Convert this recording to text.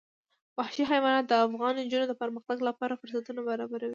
وحشي حیوانات د افغان نجونو د پرمختګ لپاره فرصتونه برابروي.